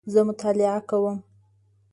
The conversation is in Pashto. زه مطالعه کوم